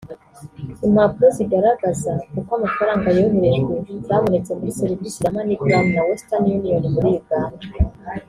Impapuro zigaraza uko amafaranga yoherejwe zabonetse muri serivisi za MoneyGram na Western Union muri Uganda